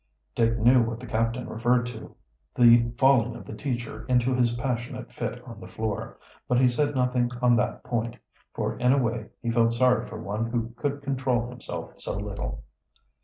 Dick knew what the captain referred to, the falling of the teacher into his passionate fit on the floor, but he said nothing on that point, for in a way he felt sorry for one who could control himself so little.